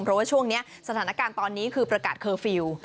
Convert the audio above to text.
เพราะว่าช่วงนี้สถานการณ์ตอนนี้คือประกาศเคอร์ฟิลล์